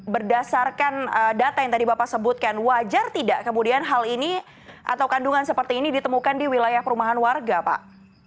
berdasarkan data yang tadi bapak sebutkan wajar tidak kemudian hal ini atau kandungan seperti ini ditemukan di wilayah perumahan warga pak